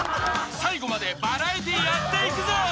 ［最後までバラエティーやっていくぞ！］